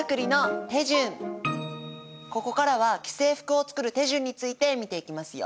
ここからは既製服を作る手順について見ていきますよ。